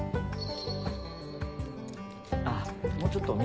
あっもうちょっと右。